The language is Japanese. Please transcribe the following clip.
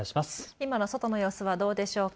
今の外の様子はどうでしょうか。